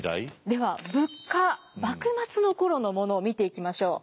では物価幕末の頃のものを見ていきましょう。